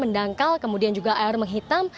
mendangkal kemudian juga air menghitam